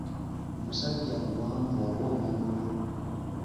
Omusajja muwanvu ng'omuvule.